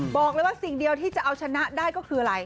บอกเลยว่าสิ่งเดียวที่จะเอาชนะได้ก็คืออะไร